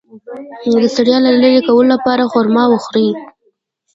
د ستړیا د لرې کولو لپاره خرما وخورئ